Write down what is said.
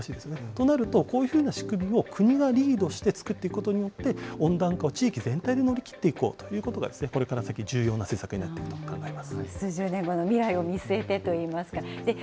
となると、こういうふうな仕組みを国がリードして作っていくことによって、温暖化を地域全体で乗り切っていこうということがこれから先、重要な政策になって数十年後の未来を見据えてといいますか。